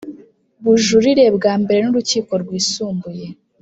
bujurire bwa mbere n Urukiko Rwisumbuye